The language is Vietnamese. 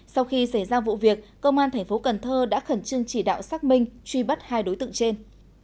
sau khi xảy ra vụ việc công an thành phố cần thơ đã khẩn trương chỉ đạo xác minh truy bắt hai đối tượng trên